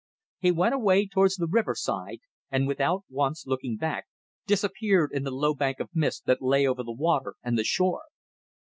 He went away towards the riverside, and, without once looking back, disappeared in the low bank of mist that lay over the water and the shore.